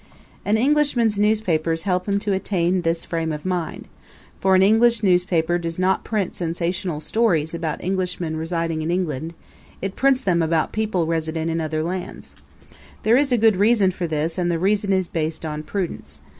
An Englishman's newspapers help him to attain this frame of mind; for an English newspaper does not print sensational stories about Englishmen residing in England; it prints them about people resident in other lands. There is a good reason for this and the reason is based on prudence.